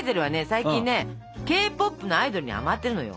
最近ねＫポップのアイドルにハマってるのよ！